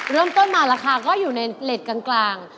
เริ่มต้นมาราคาก็อยู่ในเกล็ดกลาง